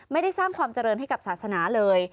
ไม่ได้สร้างความเจริญให้กับศาสนาเลย